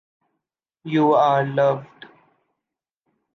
you are loved.